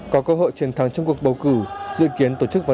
có cơ hội truyền thắng trong cuộc bầu cử